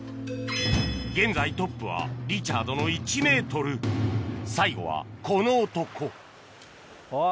現在トップはリチャードの１ｍ最後はこの男あっ。